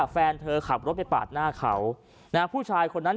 เกลียดมาทั่วทะเมฆ